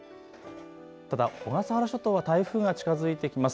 ただ小笠原諸島は台風が近づいてきます。